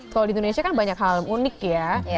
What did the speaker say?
kalau di indonesia kan banyak hal unik ya